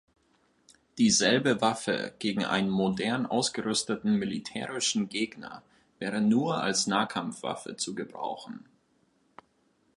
Dieselbe Waffe gegen einen modern ausgerüsteten militärischen Gegner wäre nur als Nahkampfwaffe zu gebrauchen.